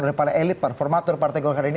oleh para elit para formatur partai golkar ini